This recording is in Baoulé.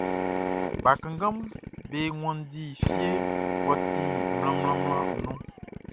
Bakannganʼm be wanndi fie mʼɔ ti mlanmlanmlanʼn nun.